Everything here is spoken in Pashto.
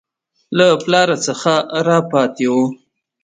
له پلاره څه راپاته وو.